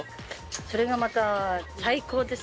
それがまた最高ですよ。